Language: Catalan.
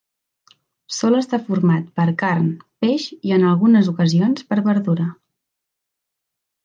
Sol estar format per carn, peix i en algunes ocasions per verdura.